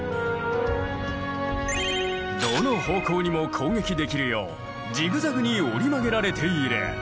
どの方向にも攻撃できるようジグザグに折り曲げられている。